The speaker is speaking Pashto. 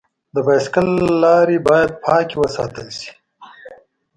د بایسکل لارې باید پاکې وساتل شي.